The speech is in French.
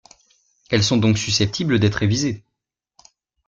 Elles sont donc susceptibles d’être révisées.